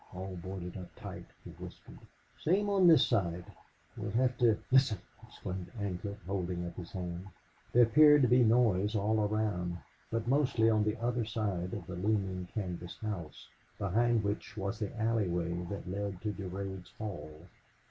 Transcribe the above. All boarded up tight," he whispered. "Same on this side. We'll have to " "Listen!" exclaimed Ancliffe, holding up his hand. There appeared to be noise all around, but mostly on the other side of the looming canvas house, behind which was the alleyway that led to Durade's hall.